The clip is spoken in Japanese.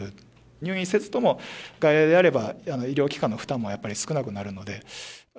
入院せずとも、外来であれば医療機関の負担もやっぱり少なくなるので。